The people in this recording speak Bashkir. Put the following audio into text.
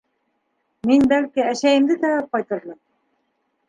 Мин, бәлки, әсәйемде табып ҡайтырмын.